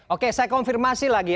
oke saya konfirmasi lagi